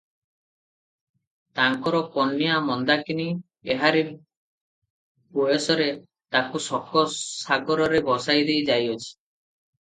ତାଙ୍କର କନ୍ୟା ମନ୍ଦାକିନୀ ଏହାରି ବୟସରେ ତାଙ୍କୁ ଶୋକ-ସାଗରରେ ଭସାଇ ଦେଇ ଯାଇଅଛି ।